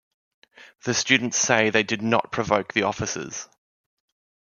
The students say they did not provoke the officers.